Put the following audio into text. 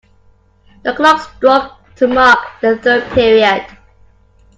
The clock struck to mark the third period.